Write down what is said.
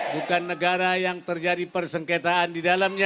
bukan negara yang ombil persingkitan di dalamnya